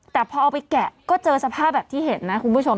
แต่พอเอาไปแกะก็เจอสภาพแบบที่เห็นนะคุณผู้ชม